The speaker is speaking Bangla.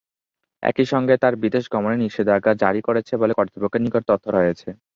একইসঙ্গে তার বিদেশ গমনে নিষেধাজ্ঞা জারি করেছে বলে কর্তৃপক্ষের নিকট তথ্য রয়েছে।